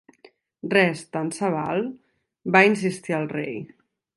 'Res, tan se val?', va insistir el rei.